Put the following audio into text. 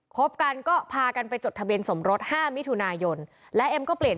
บกันก็พากันไปจดทะเบียนสมรสห้ามิถุนายนและเอ็มก็เปลี่ยน